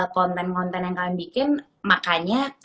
content content yang kalian bikin makanya